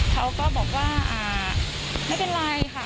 เขาก็บอกว่าไม่เป็นไรค่ะ